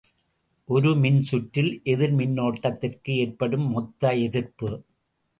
ஒரு மின்சுற்றில் எதிர் மின்னோட்டத்திற்கு ஏற்படும் மொத்த எதிர்ப்பு.